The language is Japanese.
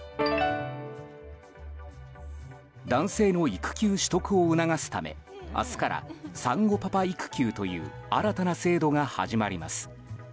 男性の育休取得を促すため明日から、産後育休という新たな制度が始まります。